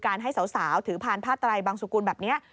ให้สาวถือพานผ้าไตรบังสุกุลแบบนี้